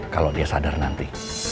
kalau dia sadar nanti